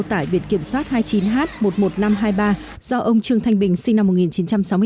tải biển kiểm soát hai mươi chín h một mươi một nghìn năm trăm hai mươi ba do ông trương thanh bình sinh năm một nghìn chín trăm sáu mươi sáu